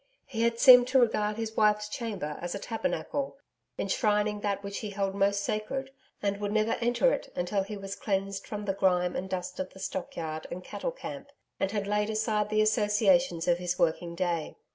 He had seemed to regard his wife's chamber as a tabernacle, enshrining that which he held most sacred, and would never enter it until he was cleansed from the grime and dust of the stockyard and cattle camp, and had laid aside the associations of his working day.